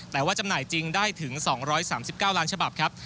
แต่ว่าจำหน่ายจริงได้ถึง๒๓๙ล้านฉบับครับ